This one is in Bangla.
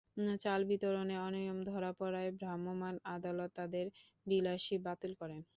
চাল বিতরণে অনিয়ম ধরা পড়ায় ভ্রাম্যমাণ আদালত তাঁদের ডিলারশিপ বাতিল করেন।